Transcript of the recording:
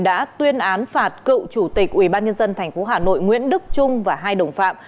đã tuyên án phạt cựu chủ tịch ủy ban nhân dân thành phố hà nội nguyễn đức trung và hai đồng phạm